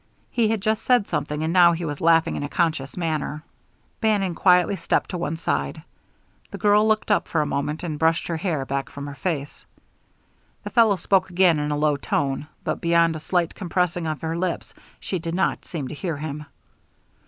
He had just said something, and now he was laughing in a conscious manner. Bannon quietly stepped to one side. The girl looked up for a moment and brushed her hair back from her face. The fellow spoke again in a low tone, but beyond a slight compressing of her lips she did not seem to hear him.